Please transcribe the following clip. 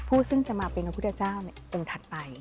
ซึ่งจะมาเป็นพระพุทธเจ้าองค์ถัดไป